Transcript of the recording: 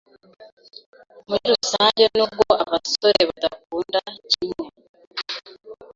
Muri rusange n’ubwo abasore badakunda kimwe,